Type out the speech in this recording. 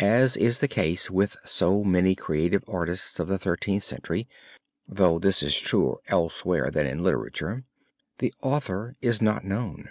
As is the case with so many creative artists of the Thirteenth Century, though this is truer elsewhere than in literature, the author is not known.